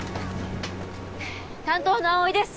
担当の蒼井です。